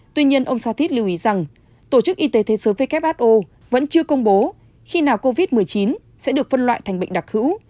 tuy nhiên ông satis lưu ý rằng tổ chức y tế thế giới who vẫn chưa công bố khi nào covid một mươi chín sẽ được phân loại thành bệnh đặc hữu